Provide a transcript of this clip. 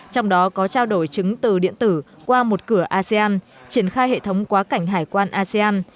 trong đó có trao đổi chứng từ điện tử qua một cửa asean triển khai hệ thống quá cảnh hải quan asean